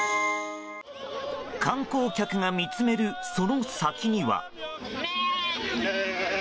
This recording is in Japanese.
観光客が見つめるその先には。